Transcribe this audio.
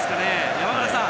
山村さん。